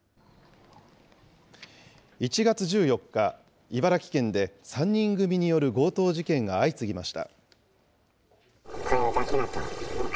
１月１４日、茨城県で３人組による強盗事件が相次ぎました。